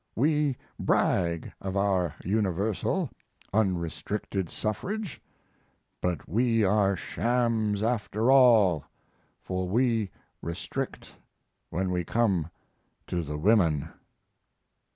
We brag of our universal, unrestricted suffrage; but we are shams after all, for we restrict when we come to the women.